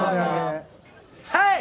はい！